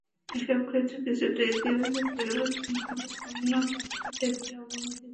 এসব ক্ষেত্রে কিছুটা ইতিবাচক পরিবর্তন হলেও অন্য পাঁচটি ক্ষেত্রে অবনতি ঘটেছে।